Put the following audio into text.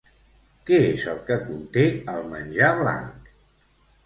Què és el que conté el menjar blanc?